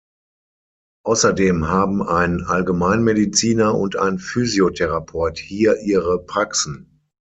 Außerdem haben ein Allgemeinmediziner und ein Physiotherapeut hier ihre Praxen.